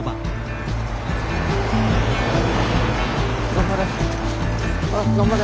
頑張れ。